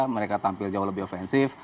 mereka tampil jauh lebih offensif